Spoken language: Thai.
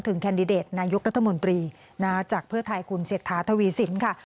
แคนดิเดตนายกรัฐมนตรีจากเพื่อไทยคุณเศรษฐาทวีสินค่ะ